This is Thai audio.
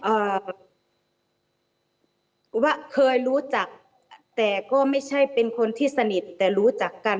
อ่าว่าเคยรู้จักแต่ก็ไม่ใช่เป็นคนที่สนิทแต่รู้จักกัน